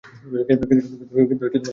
কিন্তু তাতে লবণ দিওনা।